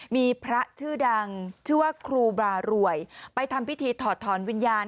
มีพระชื่อดังชื่อว่าครูบารวยไปทำพิธีถอดถอนวิญญาณ